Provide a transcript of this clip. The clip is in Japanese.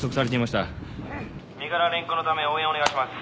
身柄連行のため応援お願いします。